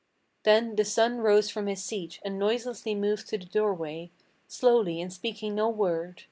Then the son rose from his seat and noiselessly moved to the doorway, Slowly, and speaking no word.